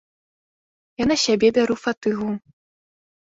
Я на сябе бяру фатыгу.